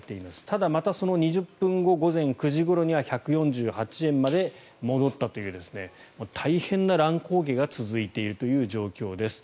ただ、またその２０分後午前９時ごろには１４８円まで戻ったという大変な乱高下が続いているという状況です。